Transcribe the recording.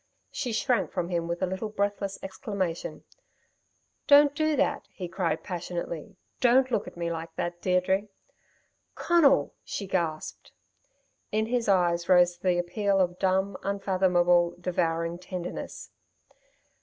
She shrank from him with a little breathless exclamation. "Don't do that," he cried passionately. "Don't look at me like that, Deirdre." "Conal!" she gasped. In his eyes rose the appeal of dumb, unfathomable, devouring tenderness.